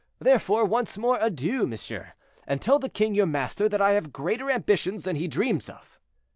Therefore, once more adieu, monsieur, and tell the king your master that I have greater ambitions than he dreams of."